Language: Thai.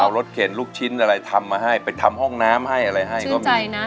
เอารถเข็นลูกชิ้นอะไรทำมาให้ไปทำห้องน้ำให้อะไรให้ก็มี